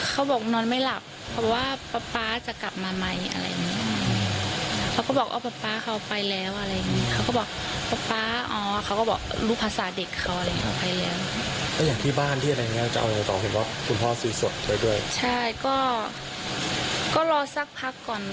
ก็รอสักพักก่อนเราก็ยังไม่รู้ค่ะ